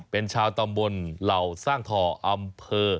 ตรงพลวงสร้างถออำเภอ